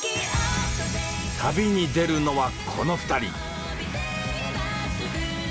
旅に出るのはこの２人。